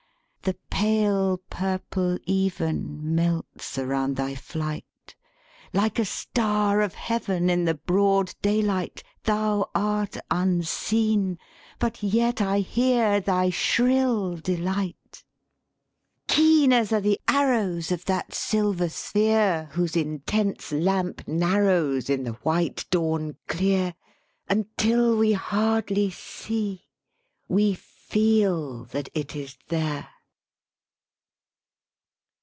"The pale purple even Melts around thy flight; Like a star of heaven In the broad daylight Thou art unseen, but yet I hear thy shrill delight. M3 THE SPEAKING VOICE "Keen as are the arrows Of that silver sphere Whose intense lamp narrows In the white dawn clear, Until we hardly see, we feel that it is there."